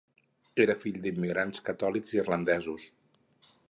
Era fill d'immigrants catòlics irlandesos.